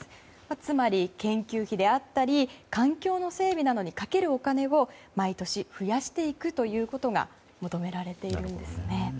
つまり、研究費であったり環境の整備などにかけるお金を毎年増やしていくということが求められているんですね。